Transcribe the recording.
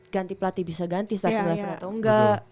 ganti pelatih bisa ganti starting eleven atau enggak